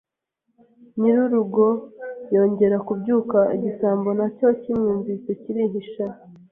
Nyirurugo yongera kubyuka igisambo na cyo kimwumvise kirihisha